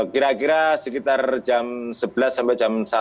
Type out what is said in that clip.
kira kira sekitar jam sebelas sampai jam satu